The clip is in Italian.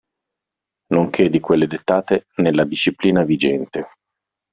Nonché di quelle dettate nella disciplina vigente.